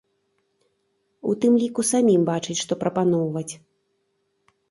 У тым ліку самім бачыць, што прапаноўваць.